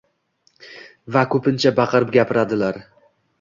va ko‘pincha baqirib gapiradilar.